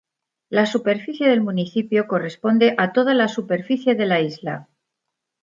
La superficie del municipio corresponde a toda la superficie de la isla.